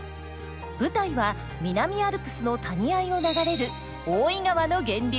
舞台は南アルプスの谷あいを流れる大井川の源流。